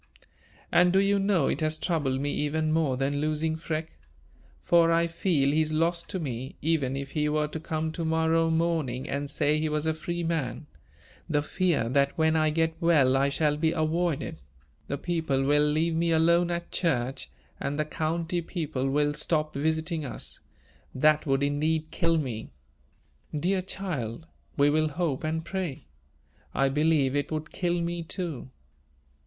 "And do you know it has troubled me even more than losing Freke; for I feel he is lost to me, even if he were to come to morrow morning and say he was a free man; the fear that when I get well I shall be avoided; the people will leave me alone at church, and the county people will stop visiting us. That would indeed kill me." "Dear child, we will hope and pray. I believe it would kill me too."